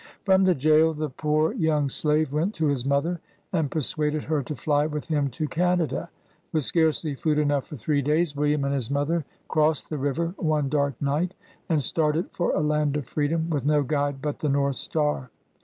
From the jail, the poor young slave went to his mother, and persuaded her to fly with him to Canada. With scarcely food enough for three days, William and 30 BIOGRAPHY 0! his mother crossed the river one dark night, and started for a land of freedom, with no guide but the North Star.